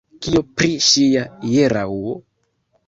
Kio pri ŝia hieraŭo?